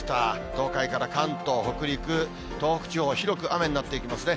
東海から関東、北陸、東北地方、広く雨になっていきますね。